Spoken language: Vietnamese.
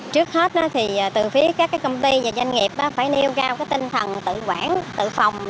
trước hết từ phía các công ty và doanh nghiệp phải nêu cao tinh thần tự quản